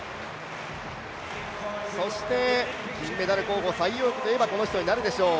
そして金メダル候補最有力といえばこの人になるでしょう。